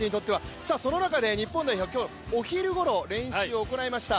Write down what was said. その中で日本代表、今日お昼ごろ練習を行いました。